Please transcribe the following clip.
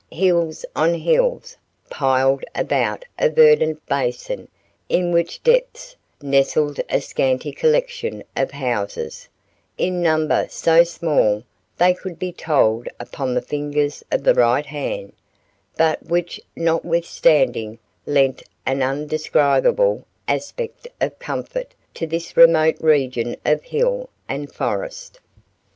Hills on hills piled about a verdant basin in whose depths nestled a scanty collection of houses, in number so small they could be told upon the fingers of the right hand, but which notwithstanding lent an indescribable aspect of comfort to this remote region of hill and forest.